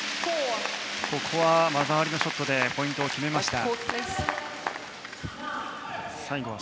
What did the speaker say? ここは技ありのショットでポイントを決めました。